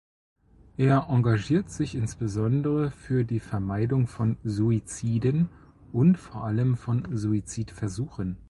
Er engagiert sich insbesondere für die Vermeidung von Suiziden und vor allem von Suizidversuchen.